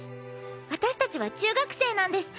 私たちは中学生なんです。